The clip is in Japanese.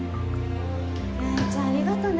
八重ちゃんありがとね